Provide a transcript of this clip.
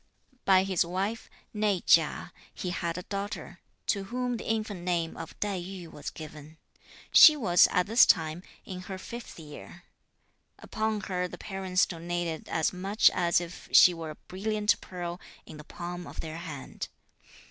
By his wife, née Chia, he had a daughter, to whom the infant name of Tai Yü was given. She was, at this time, in her fifth year. Upon her the parents doated as much as if she were a brilliant pearl in the palm of their hand.